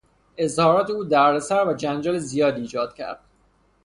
اظهارات او دردسر و جنجال زیادی ایجاد کرد.